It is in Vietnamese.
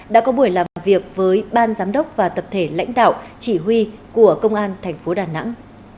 đã có buổi làm việc với ban giám đốc và tập thể lãnh đạo chỉ huy của công an thành phố đà nẵng